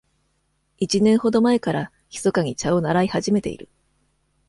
一年ほど前からひそかに茶を習い始めている。